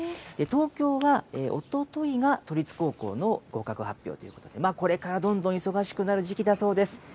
東京はおとといが都立高校の合格発表ということで、これからどんどん忙しくなる時期だそうです。